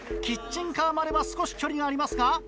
キッチンカーまでは少し距離がありますが。